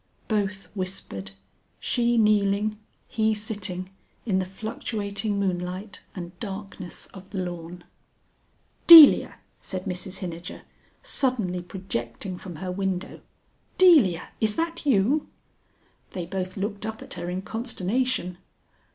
Both whispered, she kneeling, he sitting, in the fluctuating moonlight and darkness of the lawn. "Delia!" said Mrs Hinijer, suddenly projecting from her window; "Delia, is that you?" They both looked up at her in consternation.